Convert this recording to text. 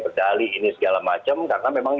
berdali ini segala macam karena memang